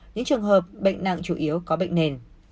những trường hợp bệnh nặng chủ yếu có bệnh nền